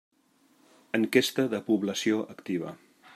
Enquesta de Població Activa.